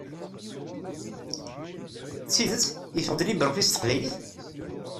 D tidet yeffeɣ-d LibreOffice s teqbaylit?